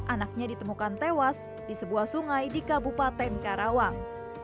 anaknya ditemukan tewas di sebuah sungai di kabupaten karawang